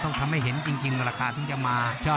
ต้องทำให้เห็นจริงราคาถึงจะมา